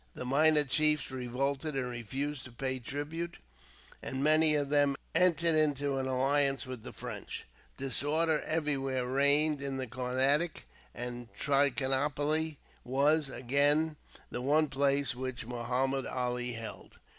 The minor chiefs revolted and refused to pay tribute, and many of them entered into alliance with the French. Disorder everywhere reigned in the Carnatic, and Trichinopoli was, again, the one place which Muhammud Ali held.